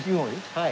はい。